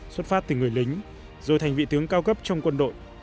xuất phát từ người lính rồi thành vị tướng cao cấp trong quân đội